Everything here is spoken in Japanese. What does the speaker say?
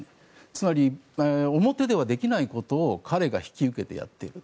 つまり、表ではできないことを彼が引き受けてやっている。